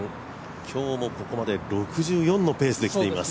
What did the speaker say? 今日もここまで６４のペースできています。